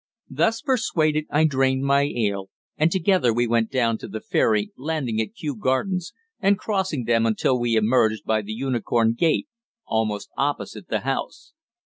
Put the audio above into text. Thus persuaded I drained my ale, and together we went down to the ferry, landing at Kew Gardens, and crossing them until we emerged by the Unicorn Gate, almost opposite the house.